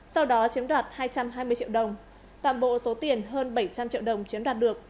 sau đó chiếm đoạt hai trăm hai mươi triệu đồng tạm bộ số tiền hơn bảy trăm linh triệu đồng chiếm đoạt được